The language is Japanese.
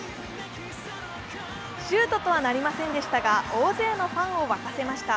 シュートとはなりませんでしたが大勢のファンを沸かせました。